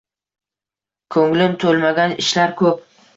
Ko‘nglim to‘lmagan ishlar ko‘p